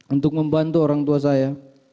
untuk membantu orang tua saya